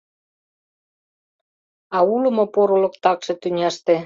А уло мо порылык, такше, тӱняште?